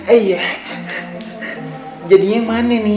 eh iya jadinya yang mana nih